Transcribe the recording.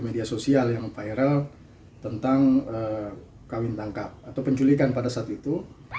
media sosial yang viral tentang kawin tangkap atau penculikan pada saat itu